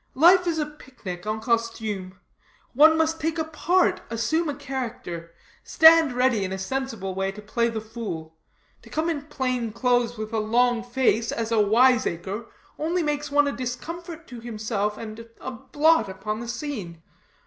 Life is a pic nic en costume; one must take a part, assume a character, stand ready in a sensible way to play the fool. To come in plain clothes, with a long face, as a wiseacre, only makes one a discomfort to himself, and a blot upon the scene.